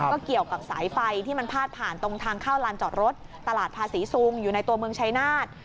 ก็เกี่ยวกับสายไฟที่มันพาดผ่านตรงทางเข้าลานจอดรถตลาดภาษีซุงอยู่ในตัวเมืองชายนาฏ